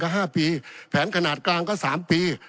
๕ปีแผนขนาดกลางก็๓ปี